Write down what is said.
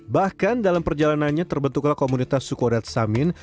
bahkan dalam perjalanannya terbentuklah komunitas sukoret samin